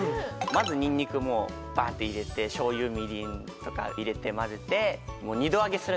まずニンニクもうバーッて入れてしょうゆみりんとか入れて混ぜてうわっ